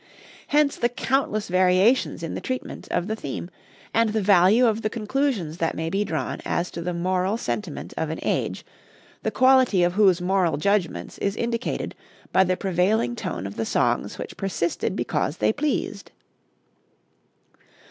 Hence the countless variations in the treatment of the theme, and the value of the conclusions that may be drawn as to the moral sentiment of an age, the quality of whose moral judgments is indicated by the prevailing tone of the songs which persisted because they pleased.